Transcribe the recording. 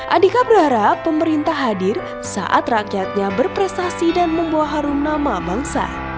andika berharap pemerintah hadir saat rakyatnya berprestasi dan membawa harum nama bangsa